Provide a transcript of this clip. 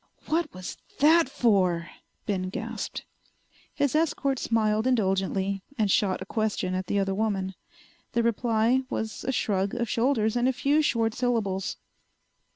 "What was that for?" Ben gasped. His escort smiled indulgently and shot a question at the other woman. The reply was a shrug of shoulders and a few short syllables.